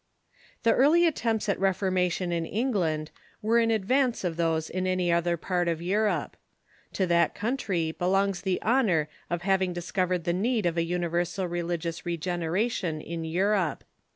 ] The early attempts at reformation in England were in ad vance of those in any other part of Europe. To that country beloncrs the honor of havinsr discovered the need of a univer THE ENGLISH REFORMATION 245 sal religious regeneration in Europe.